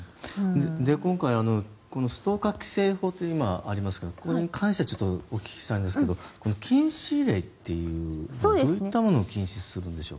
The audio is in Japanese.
今回、ストーカー規制法というのがありますがこれに関してちょっとお聞きしたいんですが禁止令っていうのはどういったものを禁止するんでしょうか。